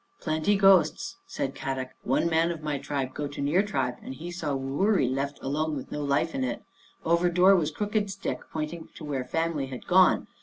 " Plenty ghosts," said Kadok. " One man of my tribe go to near tribe and he saw wuurie left alone with no life in it. Over door was crooked stick pointing to where family had gone.